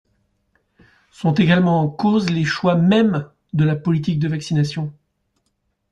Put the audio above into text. Sont également en cause les choix mêmes de la politique de vaccination.